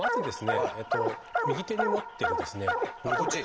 右手に持ってるこっち？